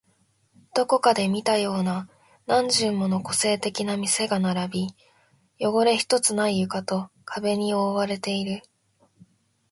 どこかで見たような何十もの個性的な店が並び、汚れ一つない床と壁に覆われている